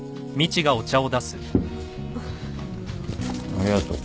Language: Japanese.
ありがとう。